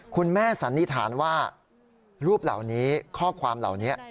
สันนิษฐานว่ารูปเหล่านี้ข้อความเหล่านี้